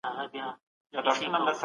بالغ نارينه د جزيې په ورکولو مکلف دي.